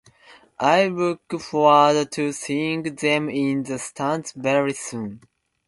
I look forward to seeing them in the stands very soon.